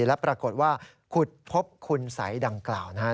และปรากฏว่าขุดพบคุณสัยดังกล่าวนะครับ